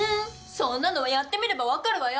そんなのはやってみればわかるわよ！